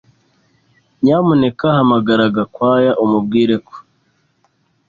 Nyamuneka hamagara Gakwaya umubwire ko